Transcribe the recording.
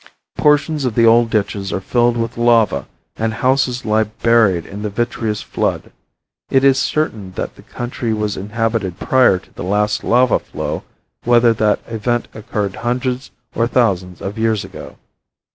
Portions of the old ditches are filled with lava and houses lie buried in the vitreous flood. It is certain that the country was inhabited prior to the last lava flow whether that event occurred hundreds or thousands of years ago.